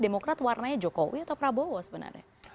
demokrat warnanya jokowi atau prabowo sebenarnya